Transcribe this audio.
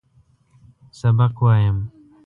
سبق وایم.